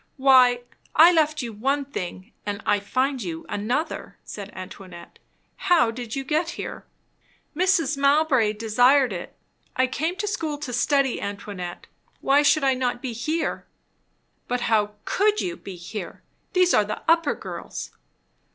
"Why I left you one thing, and I find you another," said Antoinette. "How did you get here?" "Mrs. Mowbray desired it. I came to school to study, Antoinette. Why should I not be here?" "But how could you be here? These are the upper girls."